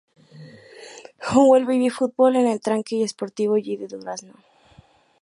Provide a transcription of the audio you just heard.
Jugó al Baby Fútbol en El Tanque y en Sportivo Yi de Durazno.